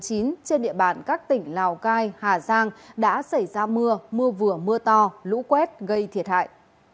trên địa bàn các tỉnh lào cai hà giang đã xảy ra mưa mưa vừa mưa to lũ quét gây thiệt hại